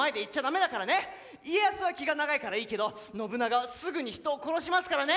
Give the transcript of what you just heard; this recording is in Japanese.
家康は気が長いからいいけど信長はすぐに人を殺しますからね。